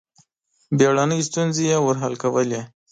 بېړنۍ ستونزې یې ور حل کولې.